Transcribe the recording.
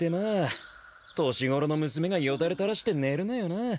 年頃の娘がよだれ垂らして寝るなよな。